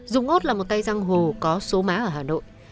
dũng út là một tay giang hồ có số má ở hà nội